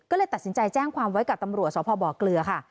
ก็เลยตัดสินใจแจ้งความไว้กับตำรวจสพบเกลือค่ะ